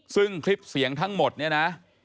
ซึ่งคลิปเสียงทั้งหมดเนี่ยนะ